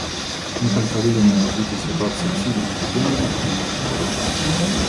Неконтролируемое развитие ситуации в Сирии неприемлемо и не может продолжаться.